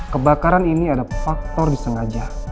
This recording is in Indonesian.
kebakaran ini ada faktor disengaja